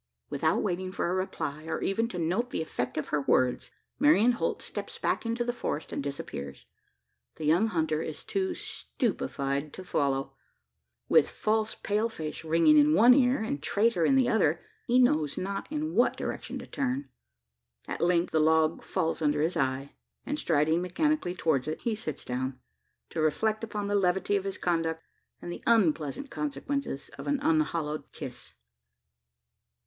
Without waiting for a reply, or even to note the effect of her words, Marian Holt steps back into the forest, and disappears. The young hunter is too stupefied to follow. With "false pale face" ringing in one ear, and "traitor" in the other, he knows not in what direction to turn. At length the log falls under his eye; and striding mechanically towards it, he sits down to reflect upon the levity of his conduct, and the unpleasant consequences of an unhallowed kiss.